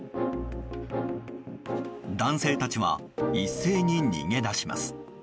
男性たちは一斉に逃げ出します。